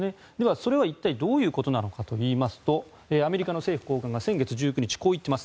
それは一体どういうことなのかといいますとアメリカの政府高官が先月１９日こう言っています。